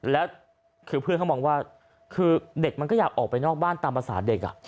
แล้วคือเพื่อนเขามองว่าคือเด็กมันก็อยากออกไปนอกบ้านตามภาษาเด็ก